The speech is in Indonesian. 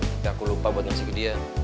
tapi aku lupa buat nasib ke dia